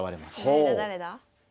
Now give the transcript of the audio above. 誰だ誰だ？